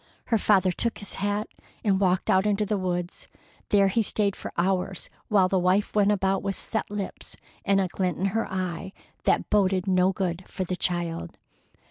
Her father took his hat and walked out into the woods. There he stayed for hours, while the wife went about with set lips and a glint in her eye that boded no good for the child.